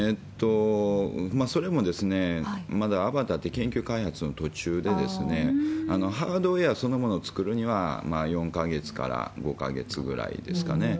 それもまだアバターって研究開発の途中で、ハードウエアそのものを作るには、４か月から５か月ぐらいですかね。